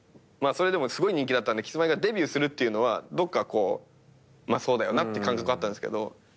でもすごい人気だったんでキスマイがデビューするっていうのはどっかこうそうだよなっていう感覚はあったんですけど。